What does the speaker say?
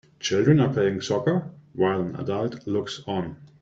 Children are playing soccer, while an adult looks on.